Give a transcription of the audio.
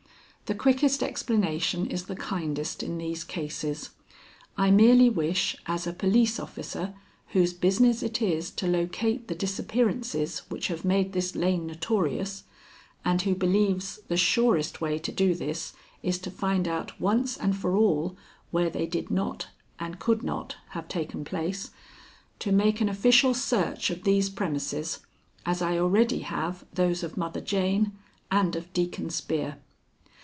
"The quickest explanation is the kindest in these cases. I merely wish, as a police officer whose business it is to locate the disappearances which have made this lane notorious, and who believes the surest way to do this is to find out once and for all where they did not and could not have taken place, to make an official search of these premises as I already have those of Mother Jane and of Deacon Spear."